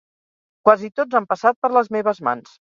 quasi tots han passat per les meves mans